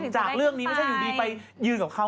จากเรื่องนี้ไม่ใช่อยู่ดีไปยืนกับเขา